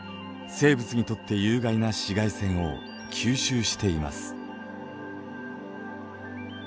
生物にとって有害な紫外線を吸収しています。